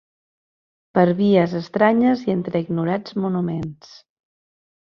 Per vies estranyes i entre ignorats monuments